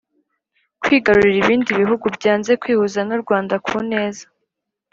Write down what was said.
kwigarurira ibindi bihugu byanze kwihuza n u Rwanda ku neza